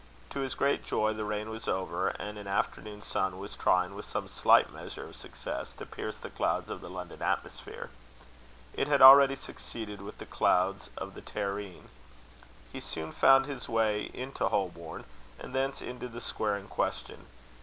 To his great joy, the rain was over, and an afternoon sun was trying, with some slight measure of success, to pierce the clouds of the London atmosphere: it had already succeeded with the clouds of the terrene. He soon found his way into Holborn, and thence into the square in question.